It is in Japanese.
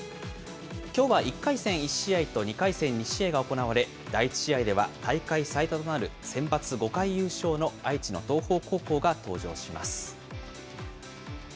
きょうは１回戦１試合と２回戦２試合が行われ、第１試合では大会最多となるセンバツ５回優勝の愛知の東邦高校が登場します。